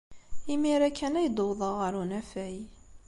Imir-a kan ay d-uwḍeɣ ɣer unafag.